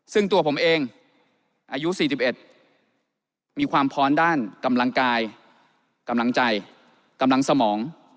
ซึ่งตัวผมเองอายุ๔๑มีความพร้อมด้านกำลังกายกำลังใจกำลังสมอง